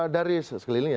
dari sekeliling ya